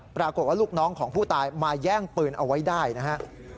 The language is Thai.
ปรากฏว่าลูกน้องของผู้ตายมาแย่งปืนเอาไว้ได้นะฮะ